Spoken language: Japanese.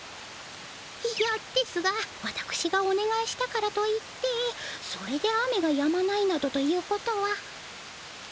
いやですがわたくしがおねがいしたからといってそれで雨がやまないなどということは。